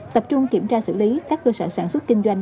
tập trung kiểm tra xử lý các cơ sở sản xuất kinh doanh